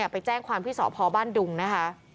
ไปแจ้งความพิสอบพ่อบ้านดุงนะคะ